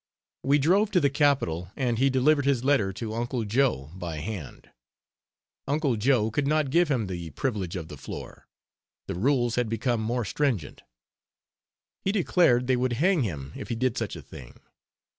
We drove to the Capitol and he delivered his letter to "Uncle Joe" by hand. "Uncle Joe" could not give him the privilege of the floor; the rules had become more stringent. He declared they would hang him if he did such a thing.